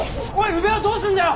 宇部はどうすんだよ！